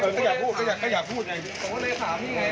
ถ่ายชิคกี้พายถ่ายชิคกี้พาย